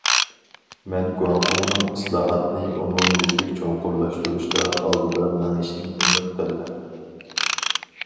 مەن گۇاڭدۇڭنىڭ ئىسلاھاتنى ئومۇميۈزلۈك چوڭقۇرلاشتۇرۇشتا ئالدىدا مېڭىشىنى ئۈمىد قىلىمەن.